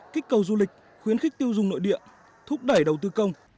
kích cầu du lịch khuyến khích tiêu dùng nội địa thúc đẩy đầu tư công